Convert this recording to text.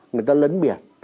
người ta lấn biển